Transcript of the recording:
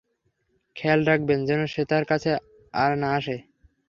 খেয়াল রাখবেন যেন সে তার কাছে আর না আসে।